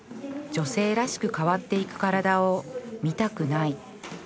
女性らしく変わっていく体を見たくない